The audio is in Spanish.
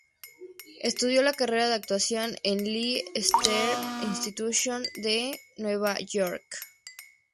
Estudió la carrera de actuación en el Lee Strasberg Institute de Nueva York.